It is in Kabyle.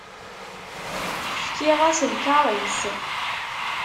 Fkiɣ-as lkaṛ-is.